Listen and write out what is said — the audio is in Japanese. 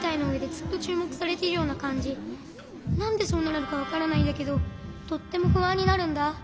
なんでそうなるのかわからないんだけどとってもふあんになるんだ。